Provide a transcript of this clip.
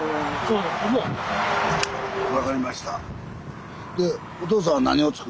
分かりました。